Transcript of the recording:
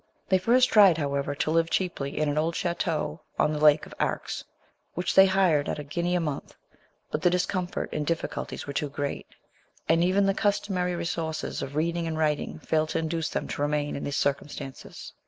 They first tried, however, to live cheaply in an old chateau on the lake of Arx, which they hired at a guinea a month ; but the discomfort and difficulties were too great, and even the customary resources of reading and writing failed to induce them to remain in these circumstances.